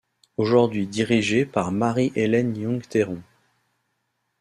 Aujourd’hui dirigé par Marie-Hélène Yung Théron.